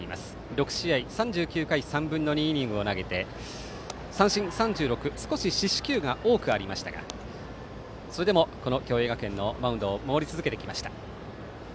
６試合で３９回３分の２イニングを投げて三振３６少し四死球が多くありましたがそれでも共栄学園のマウンドを守り続けてきました。